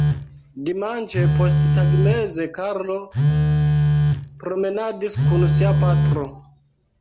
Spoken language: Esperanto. Dimanĉe posttagmeze Karlo promenadis kun sia patro.